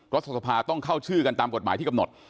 รัฐสภาต้องเข้าชื่อกันตามกฎหมายที่กำหนด